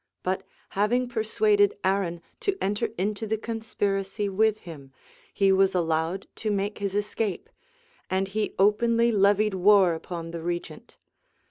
But having persuaded Arran to enter into the conspiracy with him, he was allowed to make his escape; and he openly levied war upon the regent.